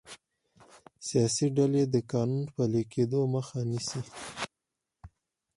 سیاسي ډلې د قانون پلي کیدو مخه نیسي